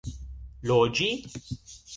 loĝi